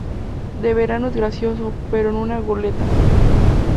de verano es gracioso, pero en una goleta